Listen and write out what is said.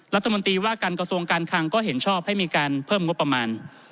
รัฐมนตรีว่าการกระทรวงการคังก็เห็นชอบให้มีการเพิ่มงบประมาณ